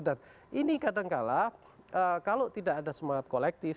dan ini kadangkala kalau tidak ada semangat kolektif